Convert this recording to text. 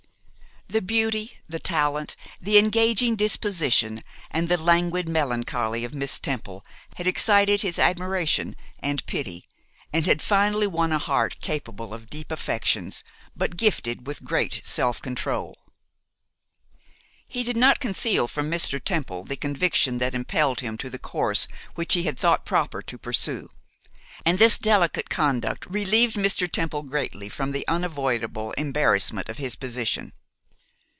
The beauty, the talent, the engaging disposition, and the languid melancholy of Miss Temple, had excited his admiration and pity, and had finally won a heart capable of deep affections, but gifted with great self control. He did not conceal from Mr. Temple the conviction that impelled him to the course which he had thought proper to pursue, and this delicate conduct relieved Mr. Temple greatly from the unavoidable embarrassment of his position.